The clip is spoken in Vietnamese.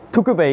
thưa quý vị